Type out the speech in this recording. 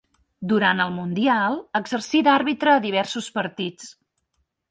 Durant el Mundial exercí d'àrbitre a diversos partits.